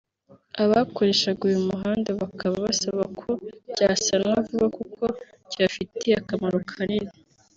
abakoreshaga uyu muhanda bakaba basaba ko cyasanwa vuba kuko kibafitiye akamaro kanini